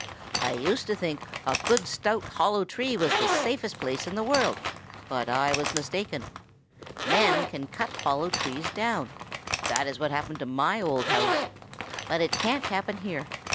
"I used to think a good stout hollow tree was the safest place in the world, but I was mistaken. Men can cut hollow trees down. That is what happened to my old house. But it can't happen here.